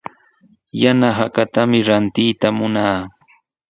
Yana hakatami rantiyta munaa.